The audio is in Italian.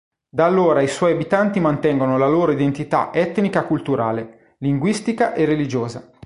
Da allora i suoi abitanti mantengono la loro identità etnica culturale, linguistica e religiosa.